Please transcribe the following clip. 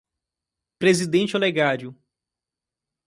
Presidente Olegário